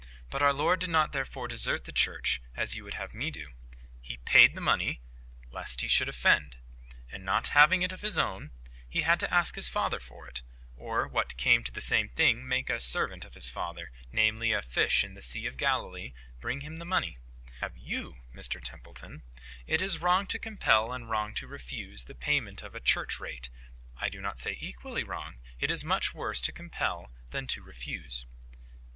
But our Lord did not therefore desert the Church, as you would have me do. HE PAID THE MONEY, lest He should offend. And not having it of His own, He had to ask His Father for it; or, what came to the same thing, make a servant of His Father, namely, a fish in the sea of Galilee, bring Him the money. And there I have YOU, Mr Templeton. It is wrong to compel, and wrong to refuse, the payment of a church rate. I do not say equally wrong: it is much worse to compel than to refuse."